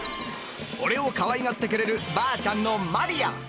俺をかわいがってくれるばあちゃんのマリア。